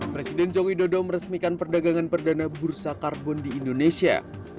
presiden jokowi dodo meresmikan perdagangan perdana bursa karbon di indonesia